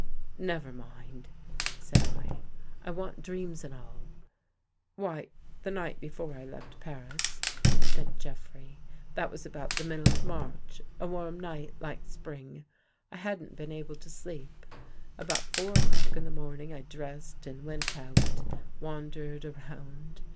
" Never mind," said I, " I want dreams and all." 44 WHAT JEFFREY SAW " Why, the night before I left Paris,'' said Jeff rey, " that was about the middle of March — a warm night like Spring — I hadn't been able to sleep. About four o'clock in the morning, I dressed and went out; wandered around.